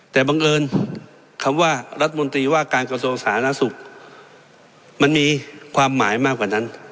แต่บังเอิญคำว่ารัฐมนตรีว่าการกระทรวงสาธารณสุขมันมีความหมายมากกว่านั้น